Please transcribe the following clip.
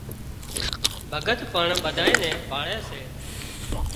ڀڳت پڻ ٻڌانئين نين ڀاۯي سي